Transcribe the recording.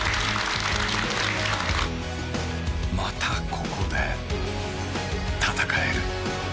またここで、戦える。